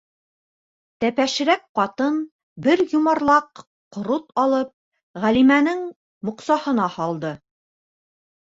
- Тәпәшерәк ҡатын, бер йомарлаҡ ҡорот алып, Ғәлимәнең моҡсаһына һалды.